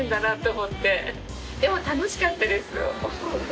でも楽しかったです。